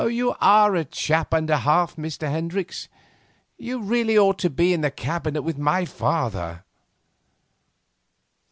'You are a chap and a half, Mr. Hendricks. You really ought to be in the Cabinet with my father.